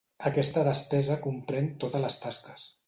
Aquesta despesa comprèn totes les tasques.